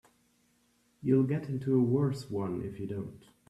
You'll get into a worse one if you don't.